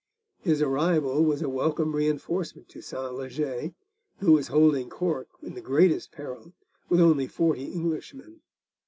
His arrival was a welcome reinforcement to Sentleger, who was holding Cork in the greatest peril, with only forty Englishmen.